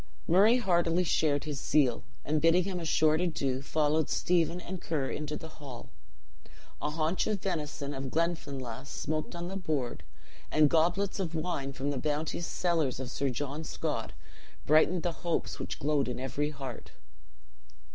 Murray heartily shared his zeal, and bidding him a short adieu, followed Stephen and Ker into the hall. A haunch of venison of Glenfinlass smoked on the board, and goblets of wine from the bounteous cellars of Sir John Scott brightened the hopes which glowed in every heart.